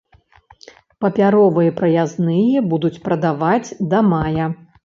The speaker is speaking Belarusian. Папяровыя праязныя будуць прадаваць да мая.